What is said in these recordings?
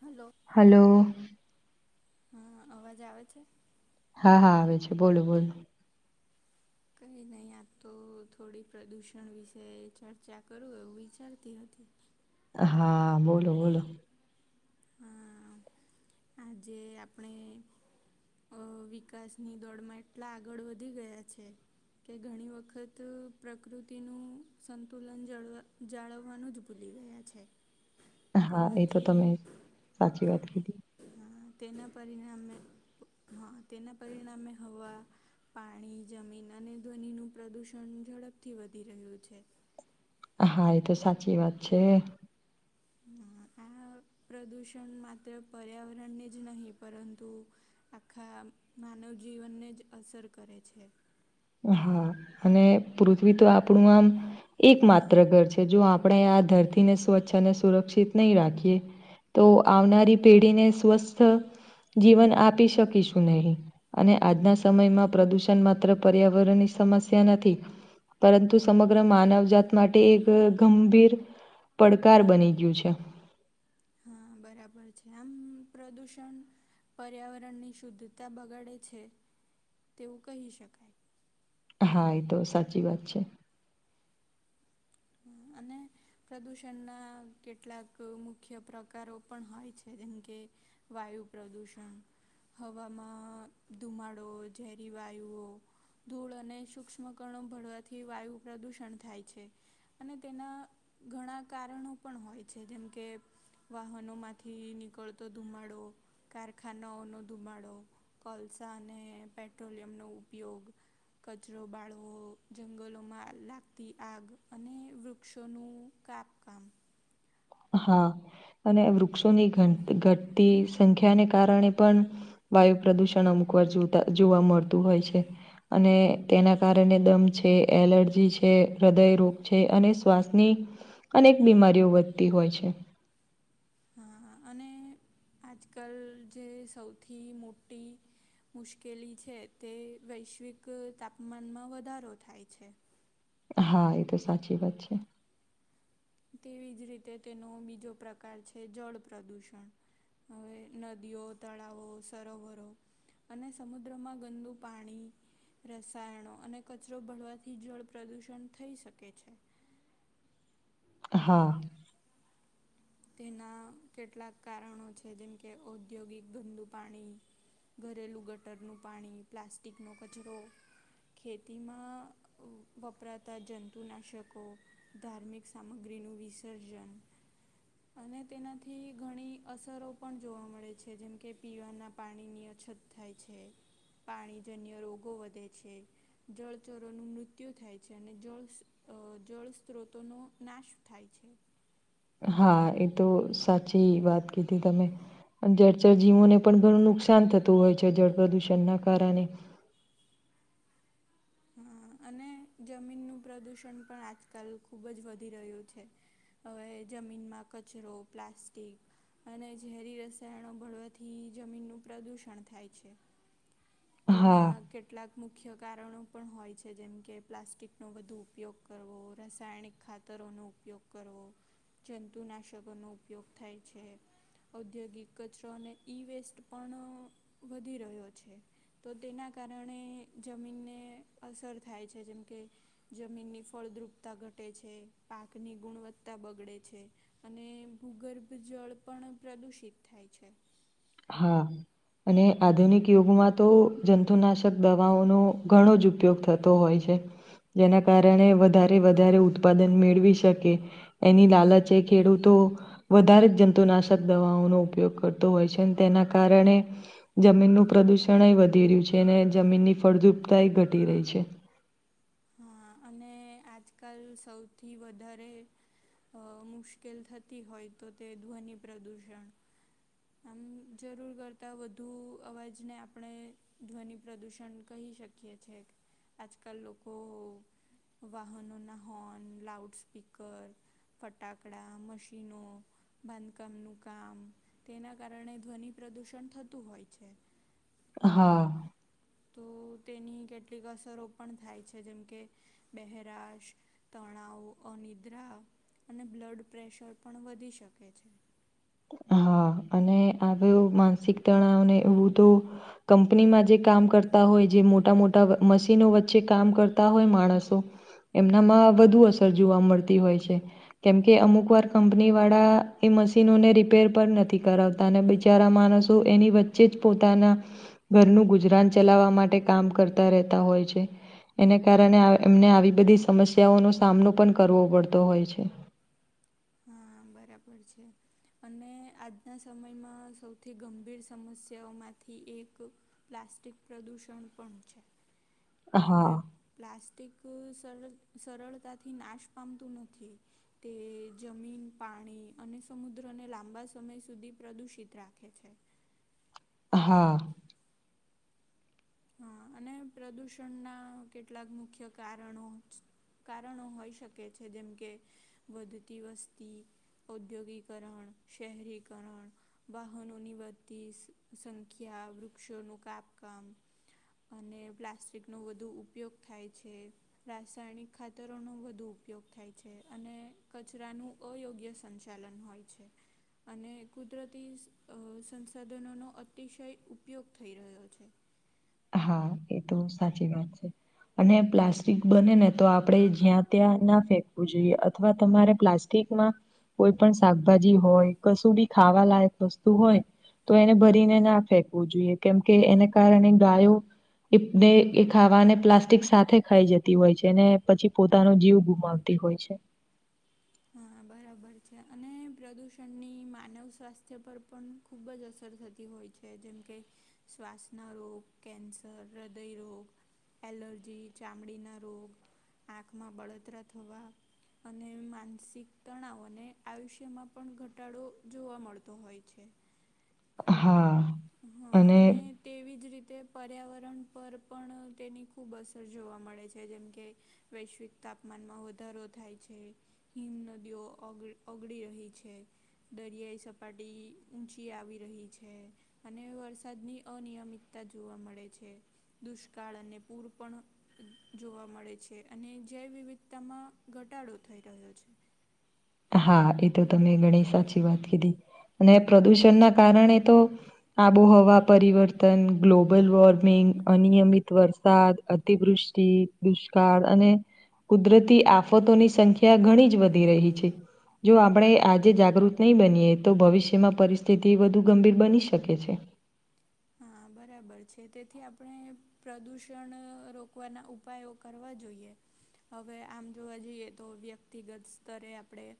Hello. Hello. હા અવાજ આવે છે. હા હા આવે છે બોલો બોલો. કંઈ નહી આ તો થોડી પ્રદૂષણ વિશે ચર્ચા કરું એવું વિચારતી હતી. હા બોલો બોલો. હા આજ આપણે. અ વિકાસની દોડમાં એટલા આગળ વધી ગયા છે કે ઘણી વખત પ્રકૃતિનું સંતુલન જાળવવાનું જ ભૂલી ગયા છે છે હા એ તો તમે સાચી વાત કીધી તેના પરિણામે હા તેના પરિણામે હવા પાણી, જમીન અને ધ્વનિનું પ્રદૂષણ ઝડપથી વધી રહ્યું છે હા એ તો સાચી વાત છે આ પ્રદૂષણ માત્ર પર્યાવરણને જ નહીં પરંતુ આખા માનવ જીવનને જ અસર કરે છે હા અને પૃથ્વી તો આપણું આમ એક માત્ર ઘર છે જો આપણે આ ધરતીને સ્વચ્છ અને સુરક્ષિત નહી રાખીએ તો આવનારી પેઢીને સ્વસ્થ જીવન આપી શકીશું નહી અને આજના સમયમાં પ્રદુષણ માત્ર પર્યાવરણ ની સમસ્યા નથી પરંતુ સમગ્ર માનવજાત માટે એક ગંભીર પડકાર બની ગયું છે હ બરાબર છે આમ પ્રદુષણ પર્યાવરણ ની શુદ્ધતા બગાડે છે તેવું કહી શકાય હા એ તો સાચી વાત છે. હ અને પ્રદૂષણના કેટલાક મુખ્ય પ્રકારો પણ હોય છે. જેમ કે વાયુ પ્રદૂષણ, હવામાં ધુમાડો ઝેરી વાયુઓ ધૂળ અને સૂક્ષ્મ કણો ભળવાથી વાયુ પ્રદૂષણ થાય છે. અને તેના ઘણા કારણો પણ હોય છે. જેમ કે વાહનો માંથી નીકળતો ધુમાડો કારખાનાઓ નો ધુમાડો કોલસા અને પેટ્રોલિયમ નો ઉપયોગ કચરો બાળવો, જંગલોમાં લાગતી આગ અને વૃક્ષોનું કાપકામ હા અને વૃક્ષોની ઘટતી સંખ્યાને કારણે પણ વાયુ પ્રદુષણ અમુક વાર જોવા મળતું હોય છે અને તેના કારણે દમ છે, એલર્જી છે, હૃદયરોગ છે, અને શ્વાસની અનેક બીમારીઓ વધતી હોય છે. હા અને આજકાલ જે સૌથી મોટી મુશ્કેલી છે તે વૈશ્વિક તાપમાનમાં વધારો થાય છે. હા એ તો સાચી વાત છે. તેવી જ રીતે તેનો બીજો પ્રકાર છે. જળ પ્રદૂષણ હવે નદીઓ, તળાવો, સરોવરો અને સમુદ્રમાં ગંદુ પાણી રસાયણો અને કચરો ભળવાથી જળ પ્રદૂષણ થઈ શકે છે. હા તેના કેટલાક કારણો છે જેમ કે ઔદ્યોગિક ગંદુ પાણી ઘરેલું ગટરનું પાણી, પ્લાસ્ટિકનો કચરો ખેતીમાં વપરાતા જંતુનાશકો ધાર્મિક સામગ્રીનું વિસર્જન અને તેનાથી ઘણી અસરો પણ જોવા મળે છે જેમ કે પીવાના પાણીની અછત થાય છે પાણીજન્ય રોગો વધે છે. જળચરોનું મૃત્યુ થાય છે. અને જળ સ્ત્રોતોનો નાશ થાય છે હા એ તો સાચી વાત કીધી તમે જળચરજીવોને પણ ઘણું નુકસાન થતું હોય છે જળ પ્રદૂષણના કારણે હા અને જમીનનું પ્રદુષણ પણ આજકાલ ખુબ જ વધી રહ્યું છે. હવે જમીનમાં કચરો પ્લાસ્ટિક- - અને ઝેરી રસાયણો ભળવાથી જમીનનું પ્રદૂષણ થાય છે. તેના હા કેટલાક મુખ્ય કારણો પણ હોય છે જેમ કે પ્લાસ્ટિકનો વધુ ઉપયોગ કરવો રાસાયણિક ખાત- - તરો નો ઉપયોગ કરવો જંતુનાશકો નો ઉપયોગ થાય છે. ઔદ્યોગિક કચરો અને ઇ વેસ્ટ પણ વધી રહ્યો છે. તો તેના કારણે જમીનને અસર થાય છે જેમ કે- - જમીનની ફળદ્રુપતા ઘટે છે પાકની ગુણવત્તા બગડે છે. અને ભૂગર્ભ જળ પણ પ્રદૂષિત થાય છે. હા. અને આધુનિક યુગમાં તો જંતુનાશક દવાઓનો ઘણો જ ઉપયોગ થતો હોય છે. જેના કારણે વધારે વધારે ઉત્પાદન મેળવી શકે. એની લાલચે ખેડૂતો વધારે જ જંતુનાશક દવાઓનો ઉપયોગ કરતો હોય છે. તેના કારણે જમીનનું પ્રદૂષણય વધી રહ્યું છે અને જમીનની ફળદ્રુપતાય ઘટી રહી છે. હા અને આજકાલ સૌથી વધારે- - અ મુશ્કેલ થતી હોય તો તે ધ્વનિ પ્રદૂષણ આમ જરૂર કરતાં વધુ અવાજને આપણે ધ્વનિ પ્રદુષણ કહી શકીએ છે આજકાલ લોકો વાહનોના હોર્ન લાઉડ સ્પીકર ફટાકડા મશીનો બાંધકામનું કામ તેના કારણે ધ્વનિ પ્રદૂષણ થતું હોય છે. હા. તો તેની કેટલીક અસરો પણ થાય છે જેમ કે- - બહેરાશ તણાવ અ નિદ્રા અને બ્લડ પ્રેશર પણ વધી શકે છે. હા અને આવ માનસિક તણાવને એવું તો કંપનીમાં જે કામ કરતા હોય જે મોટા મોટા મશીનો વચ્ચે કામ કરતા હોય માણસો એમના માં વધુ અસર જોવા મળતી હોય છે. કેમ કે અમુક વાર કંપની વાળા એ મશીનોને રી રીપેર પણ નથી કરાવતા અને બિચારા માણસો એની વચ્ચે જ પોતાના ઘરનું ગુજરાન ચલાવવા માટે કામ કરતા રહેતા હોય છે. એને કારણે એમને આવી બધી સમસ્યાઓનો સામનો પણ કરવો પડતો હોય છે. હા બરાબર છે. અને આજના સમયમાં સૌથી ગંભીર સમસ્યાઓ માંથી એક પ્લાસ્ટિક પ્રદૂષણ પણ છે. હવે હા પ્લાસ્ટિક સર સરળતાથી નાશ પામતું નથી. તે જમીન પાણી અને સમુદ્રને લાંબા સમય સુધી પ્રદૂષિત રાખે છે. હા. હા અને પ્રદુષણના કેટલાક મુખ્ય કારણો ચ કારણો હોઈ શકે છે જેમ કે વધતી વસ્તી ઉઔદ્યોગીકરણ શહેરીકરણ વાહનોની વધતી સંખ્યા વૃક્ષોનું કાપકામ અને પ્લાસ્ટિકનો વધુ ઉપયોગ થાય છે. રાસાયણિક ખાતરોનો વધુ ઉપયોગ થાય છે અને કચરાનું અયોગ્ય સંચાલન થાય છે. અને કુદરતી સંસાધનોનો અતિશય ઉપયોગ થઈ રહ્યો છે. હા એ તો સાચી વાત છે. અને પ્લાસ્ટિક બને ને તો આપણે જ્યાં ત્યાં ના ફેંકવું જોઈએ અથવા તમારે પ્લાસ્ટિકમાં કોઈ પણ શાકભાજી હોય કશું બી ખાવા લયક વસ્તુ હોય તો એને ભરીને ના ફેંકવું જોઈએ કેમકે એને કારણે ગાયો એને એ ખાવાને પ્લાસ્ટિક સાથે ખાઈ જતી હોય છે ને પછી પોતાનો જીવ ગુમાવ તિ હોય છે હા બરાબર છે અને પ્રદૂષણની માનવ સ્વાસ્થ્ય પર પણ ખૂબ જ અસર થતી હોય છે છે જેમ કે શ્વાસના રોગ કેન્સર હૃદય રોગ એલર્જી ચામડીના રોગ આંખમાં બળતરા થવા અને માનસિક તણાવને આયુષ્યમાં પણ ઘટાડો જોવા મળતો હોય છે હા હા અને તેવી જ રીતે પર્યાવરણ પર પણ તેની ખૂબ અસર જોવા મળે છે જેમ કે વૈશ્વિક તાપમાનમાં વધારો થાય છે હિમ નદીઓગ ઓગળી રહી છે દરિયાઈ સપાટી ઊંચી આવી રહી છે અને વરસાદની અનિયમિતતા જોવા મળે છે દુષ્કાળ અને પૂર પણ જોવા મળે છે અને જૈવવવિધતામાં ઘટાડો થઈ રહ્યો છે હા એ તો તમે ઘણી સાચી વાત કીધી અને પ્રદુષણ ના કારણે તો આબોહવા પરિવર્તન ગ્લોબલ વોર્મિંગ અનિયમિત વર્ષ સાદ અતિવૃષ્ટિ દુષ્કાળ અને કુદરતી આફતોની સંખ્યા ઘણી જ વધી રહી છે જો આપણે આજે જાગૃત નહીં બનીએ તો ભવિષ્યમાં પરિસ્થિતિ વધુ ગંભીર બની શકે છે હા બરાબર છે તેથી આપણે પ્રદૂષણ રોકવાના ઉપાયો કરવા જોઈએ હવે આમ જોવા જઈએ તો વ્યક્તિગત સ્તરે આપણેે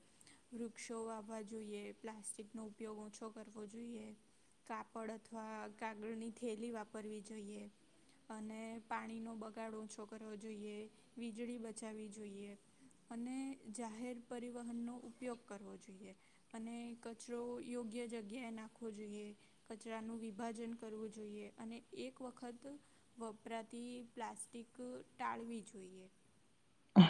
વૃક્ષો વાવવા જોઈએ પ્લાસ્ટિકનો ઉપયોગ ઓછો કરવો જોઈએ. કાપડ અથવા કાગળની થેલી વાપરવી જોઈએ. અને પાણીનો બગાડો ઓછો કરવો જોઈએ વીજળી બચાવવી જોઈએ. અને જાહેર પરિવહન નો ઉપયોગ કરવો જોઈએ. અને કચરો યોગ્ય જગ્યાએ નાખવો જોઈએ કચરાનું ભાજન કરવું જોઈએ અને એક વખત. વપરાતી પ્લાસ્ટિક ટાળવી જોઈએ.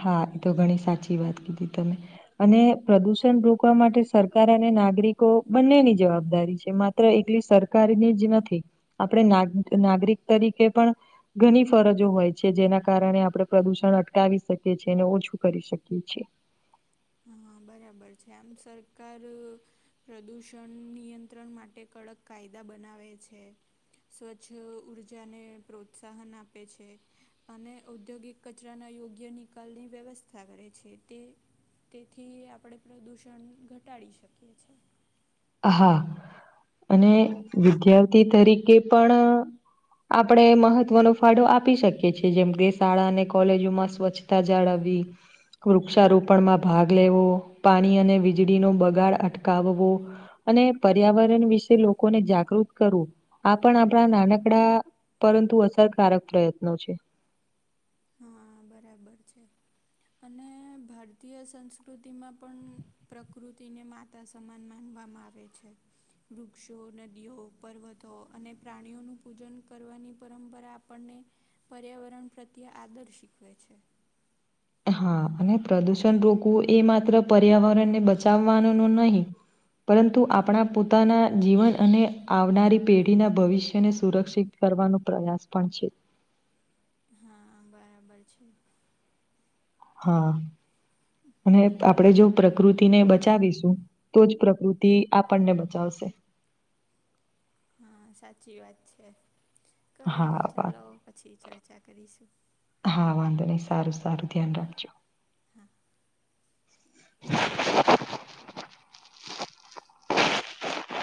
હા એ તો ઘણી સાચી વાત કીધી તમે અને પ્રદુષણ રોકવા માટે સરકાર અને નાગરિકો બંનેની જવાબદારી છેત્ર એલી સરકારની જ નથી આપણે નાગરિક તરીકે પણ ઘણી ફરજો હોય છે જેના કારણે આપણે પ્રદુષણ અટકાવી શકીએ. છેને ઓછું કરી શકીએ છીએ. હા બરાબર છે આમ સરકાર પ્રદૂષણ નિયંત્રણ માટે કડક કાયદા બનાવે છે. સ્વચ્છ ઉર્જાને પ્રોત્સાહન આપે છે. અને ઔદ્યોગિક કચરાના યોગ્ય નિકાલની વ્યવસ્થા કરે છે તે તેથી આપણે પ્રદૂષણ ઘટાડી શકીએ છી હા અને વિદ્યાર્થી તરીકે પણ આપણે મહત્વનો ફાદો આપી શકીએ છી જેમ કે શાળા અને કોલેજોમાં સ્વચ્છ તા જાાળવી વૃક્ષારોપણમાં ભાગ લેવો પાણી અને વીજળીનો બગાડ અટકાવવો અને પર્યાવરણ વિશે લોકોને જાગૃત કરવું આ પણ આપણા નાનકડા પરંતુ અસરકારક પ્રયત્નો છે. હા બરાબર છે અને ભારતીય સંસ્કૃતિમાં પણ પ્રકૃતિને માતા સમાન માનવામાં આવે છે. વૃક્ષો નદીઓ પર્વતો અને પ્રાણીઓનું પૂજન કરવાની પરંપરા આપણને પર્યાવરણ પ્રત્યે આદર શીખવે છે. હા અને પ્રદુષણ રોકવું એ માત્ર પર્યાવરણને બચાવવાનું ન નહીં પરંતુ આપણા પોતાના જીવન અને આવનારી પેઢીના ભવિષ્યને સુરક્ષિત કરવાનો પ્રયાસ પણ છે. હા બરાબર છે. હા અને આપણે જો પ્રકૃતિને બચાવીશું તો જ પ્રકૃતિ આપણને બચાવશે. હા સાચી વાત છે કઈ હા નહી વા ચાલો પછી ચર્ચા કરીશું. હા વાંધો નહીિ સારું સારું ધ્યાન રાખજો. હા [inaudible]